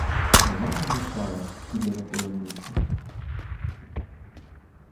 Но мама молчала, сидя на своем месте.